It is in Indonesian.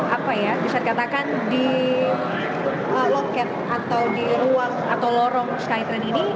apa ya bisa dikatakan di loket atau di ruang atau lorong skytrain ini